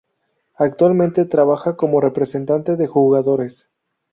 Actualmente trabaja como representante de jugadores.